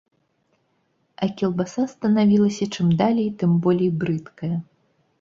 А кілбаса станавілася чым далей, тым болей брыдкая.